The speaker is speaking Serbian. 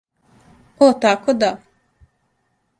О тако да.